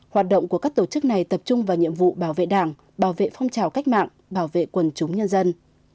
hoạt động của các tổ chức này tập trung vào nhiệm vụ bảo vệ đảng bảo vệ phong trào cách mạng bảo vệ quần chúng nhân dân